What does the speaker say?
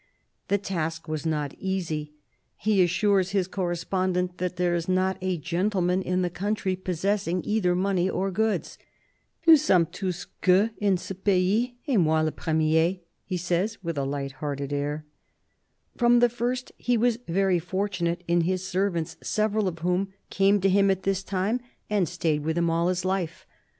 The task was not easy: he assures his correspondent that there is not a gentleman in the country possessing either money or goods. " Nous sommes tons gueux en ce pays, et moi le premier," he says with a light hearted air. From the first he was very fortunate in his servants, several of whom came to him at this time and stayed with 42 CARDINAL DE RICHELIEU him all his life.